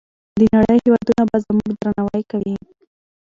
د نړۍ هېوادونه به زموږ درناوی کوي.